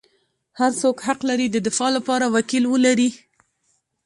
هر څوک حق لري د دفاع لپاره وکیل ولري.